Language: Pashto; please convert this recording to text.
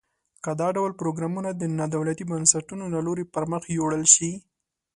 که دا ډول پروګرامونه د نا دولتي بنسټونو له لوري پرمخ یوړل شي.